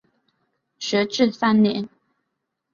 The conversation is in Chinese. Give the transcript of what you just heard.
学制三年。